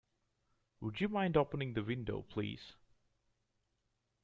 Would you mind opening the window, please?